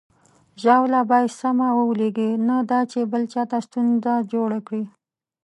ژاوله باید سمه ولویږي، نه دا چې بل چاته ستونزه جوړه کړي.